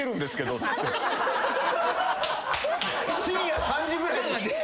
深夜３時ぐらい。